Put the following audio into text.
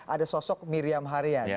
ada sosok miriam haryani